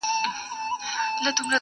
• مور له خلکو شرم احساسوي او ځان پټوي,